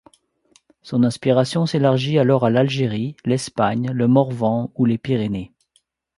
Son inspiration s'élargit alors à l'Algérie, l'Espagne, le Morvan ou les Pyrénées.